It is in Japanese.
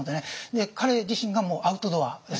で彼自身がもうアウトドアです。